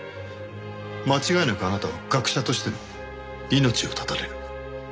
間違いなくあなたは学者としての命を絶たれる。